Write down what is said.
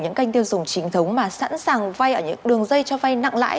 những kênh tiêu dùng chính thống mà sẵn sàng vay ở những đường dây cho vay nặng lãi